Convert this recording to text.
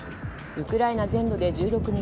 ウクライナ全土で１６日